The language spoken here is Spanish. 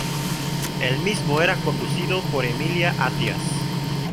El mismo era conducido por Emilia Attias.